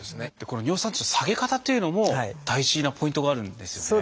この尿酸値の下げ方というのも大事なポイントがあるんですよね。